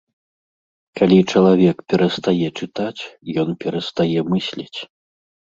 Калі чалавек перастае чытаць, ён перастае мысліць.